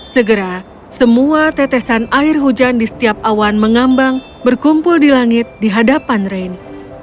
segera semua tetesan air hujan di setiap awan mengambang berkumpul di langit di hadapan reni